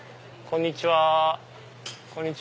こんにちは。